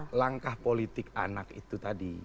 itu bukan langkah politik anak itu tadi